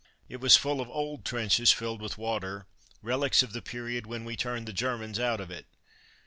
It was full of old trenches, filled with water, relies of the period when we turned the Germans out of it.